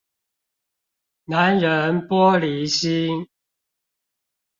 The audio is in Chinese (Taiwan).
男人玻璃心